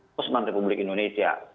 pusman republik indonesia